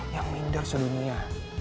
yang minder sedunia